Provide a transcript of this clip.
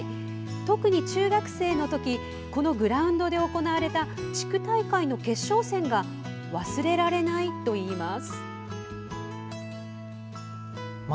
特に、中学生のときこのグラウンドで行われた地区大会の決勝戦が忘れられないといいます。